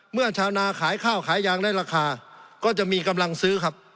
ชาวนาขายข้าวขายยางได้ราคาก็จะมีกำลังซื้อครับ